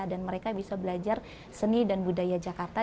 dan mereka bisa belajar seni dan budaya jakarta